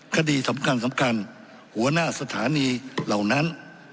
คดีสำคัญสำคัญหัวหน้าสถานีเหล่านั้น